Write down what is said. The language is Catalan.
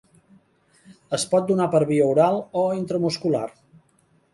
Es pot donar per via oral o intramuscular.